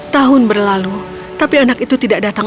tahun berlalu tapi anak itu tidak datang